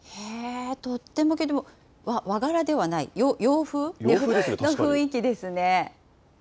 とってもきれい、和柄ではない、洋風な雰囲気ですね。